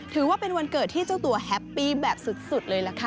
ถือว่าเป็นวันเกิดที่เจ้าตัวแฮปปี้แบบสุดเลยล่ะค่ะ